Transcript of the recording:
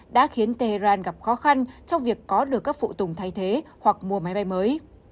đã khiến tehran gặp khó khăn trong việc có được các phụ tùng thay thế hoặc mua máy bay mới